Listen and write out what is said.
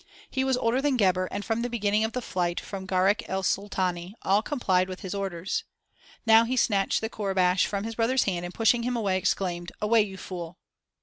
He was older than Gebhr and from the beginning of the flight from Gharak el Sultani all complied with his orders. Now he snatched the courbash from his brother's hand and, pushing him away, exclaimed: "Away, you fool!"